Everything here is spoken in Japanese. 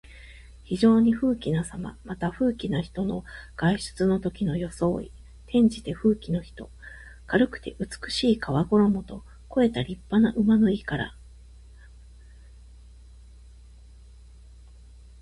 非常に富貴なさま。また、富貴な人の外出のときの装い。転じて、富貴の人。軽くて美しい皮ごろもと肥えた立派な馬の意から。「裘」は皮ごろものこと。「軽裘」は軽くて高価な皮ごろも。略して「軽肥」ともいう。また「肥馬軽裘」ともいう。